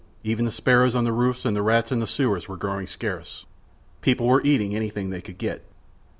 Even the sparrows on the roofs and the rats in the sewers were growing scarce. People were eating anything they could get.